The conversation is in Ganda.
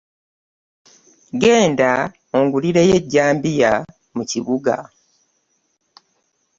Genda ongulireyo ejjambiya mu kibuga.